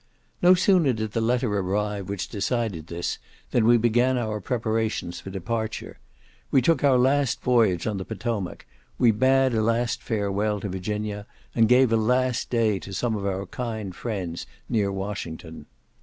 No sooner did the letter arrive which decided this, than we began our preparations for departure. We took our last voyage on the Potomac, we bade a last farewell to Virginia, and gave a last day to some of our kind friends near Washington.